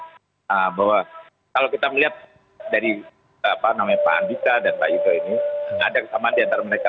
kalau kita melihat dari pak andika dan pak yudo ini ada kesamaan di antara mereka